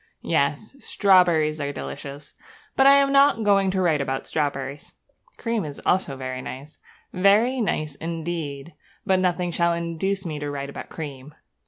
Yes, strawberries are delicious; but I am not going to write about strawberries. Cream is also very nice, very nice indeed; but nothing shall induce me to write about cream.